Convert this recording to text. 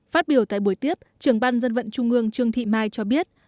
phát biểu tại buổi tiếp trưởng ban dân vận trung ương trương thị mai cho biết